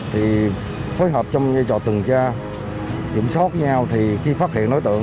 thì phối hợp trong như trò từng cha kiểm soát với nhau thì khi phát hiện nối tượng